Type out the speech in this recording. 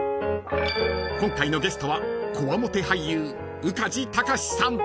［今回のゲストはこわもて俳優宇梶剛士さん］